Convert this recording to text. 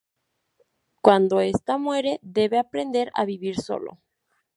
Cuando esta muere, debe aprender a vivir solo.